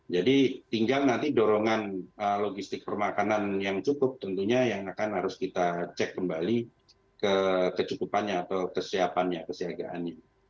jadi tinggal nanti dorongan logistik permakanan yang cukup tentunya yang akan harus kita cek kembali kecukupannya atau kesiapannya kesiagaannya